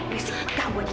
mas rambu cepetan